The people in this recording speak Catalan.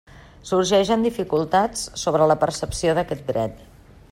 Sorgeixen dificultats sobre la percepció d'aquest dret.